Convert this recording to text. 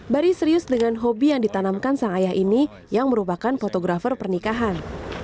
bari serius dengan hobi yang ditanamkan sang ayah ini yang merupakan fotografer pernikahan